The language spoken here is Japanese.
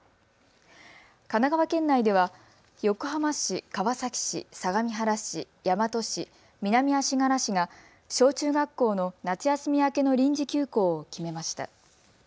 神奈川県内では横浜市、川崎市、相模原市、大和市、南足柄市が小中学校の夏休み明けの臨時休校を決めました。